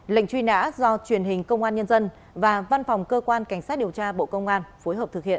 lệnh truy nã do truyền hình công an nhân dân và văn phòng cơ quan cảnh sát điều tra bộ công an phối hợp thực hiện